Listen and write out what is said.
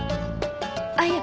あっいや。